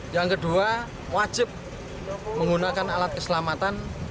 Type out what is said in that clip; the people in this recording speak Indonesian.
yang kedua wajib menggunakan alat keselamatan